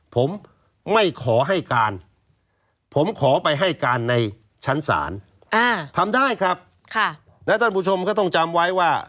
ผมไม่ขอให้การผมขอไปให้การในชั้นศาลทำได้ครับแล้วท่านผู้ชมก็ต้องจำไว้ว่า